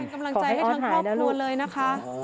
กำลังใจให้ทั้งครอบครัวเลยนะคะ